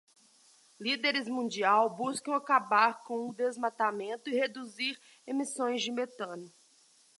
Líderes mundiais buscam acabar com desmatamento e reduzir emissões de metano